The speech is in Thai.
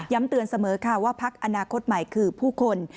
เตือนเสมอค่ะว่าพักอนาคตใหม่คือผู้คน